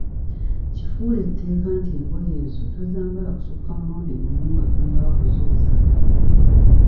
Kifuule tteeka nti engoye ezo tozambala kusukka mulundi gumu nga tonnaba kuzooza.